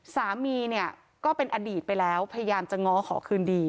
สามีเนี่ยก็เป็นอดีตไปแล้วพยายามจะง้อขอคืนดี